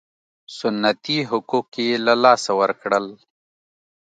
سنتي حقوق یې له لاسه ورکړل.